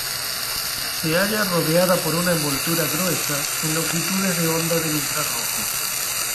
Se halla rodeada por una envoltura gruesa en longitudes de onda del infrarrojo.